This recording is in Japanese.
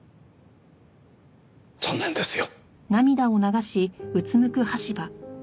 残念ですよ。